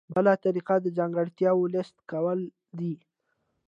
بله طریقه د ځانګړتیاوو لیست کول دي.